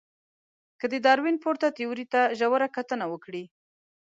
که د داروېن پورته تیوري ته ژوره کتنه وکړئ.